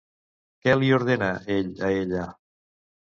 Què li ordena ell a ella?